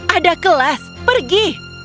ada kelas pergi